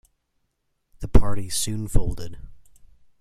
The party soon folded.